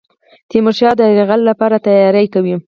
تیمورشاه د یرغل لپاره تیاری کوي.